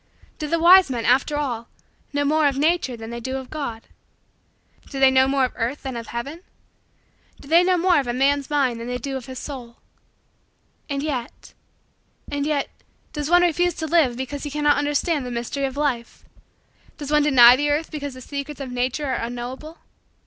Do the wise men, after all, know more of nature than they do of God? Do they know more of earth than of heaven? Do they know more of a man's mind than they do of his soul? And yet and yet does one refuse to live because he cannot understand the mystery of life? Does one deny the earth because the secrets of Mature are unknowable?